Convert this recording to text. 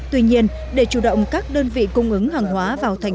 tuy nhiên để chủ động các đơn vị cung ứng hàng hóa vào tp hcm